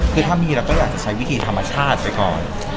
คือถ้ามีเราก็อยากจะใช้วิธีธรรมชาติไปก่อน